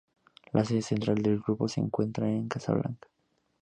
La sede central del grupo se encuentra en Casablanca.